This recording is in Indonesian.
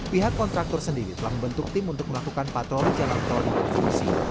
pihak kontraktor sendiri telah membentuk tim untuk melakukan patroli jalan tol di provinsi